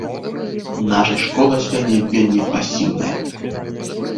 Наша школа сёння вельмі пасіўная.